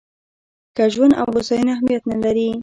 که ژوند او هوساینه اهمیت نه لري.